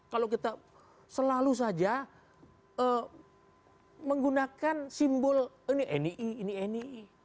kalau kita selalu saja menggunakan simbol ini nii ini nii